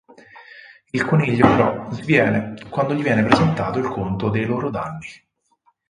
Il coniglio però sviene quando gli viene presentato il conto dei loro danni.